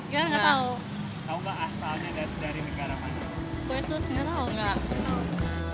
kue sus tidak tahu